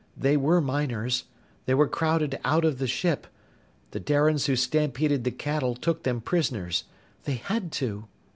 They were miners. They were crowded out of the ship. The Darians who'd stampeded the cattle took them prisoners. They had to!"